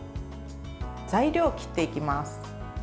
材料を切っていきます。